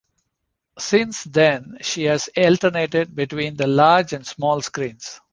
Since then, she has alternated between the large and small screens.